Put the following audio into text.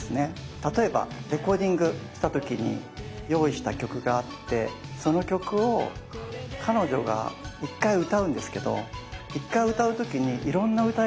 例えばレコーディングした時に用意した曲があってその曲を彼女が１回歌うんですけど１回歌う時にいろんな歌い方するんですよ。